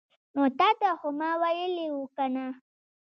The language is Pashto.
نو تاته خو ما ویلې وو کنه